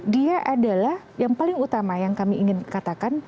dia adalah yang paling utama yang kami ingin katakan